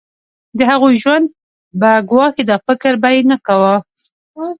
د هغوی ژوند به ګواښي دا فکر به یې نه کاوه.